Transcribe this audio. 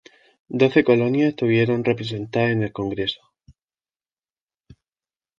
Doce colonias estuvieron representadas en el congreso.